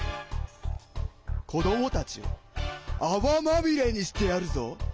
こどもたちをあわまみれにしてやるぞ。